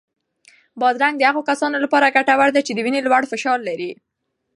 بادرنګ د هغو کسانو لپاره ګټور دی چې د وینې لوړ فشار لري.